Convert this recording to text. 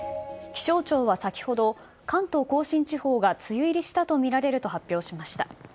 気象庁は先ほど、関東甲信地方が梅雨入りしたと見られると発表しました。